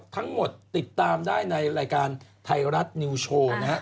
ทั้งหมดติดตามได้ในรายการไทยรัฐนิวโชว์นะครับ